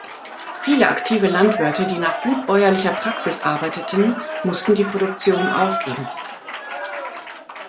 Viele aktive Landwirte, die nach gut bäuerlicher Praxis arbeiteten, mussten die Produktion aufgeben.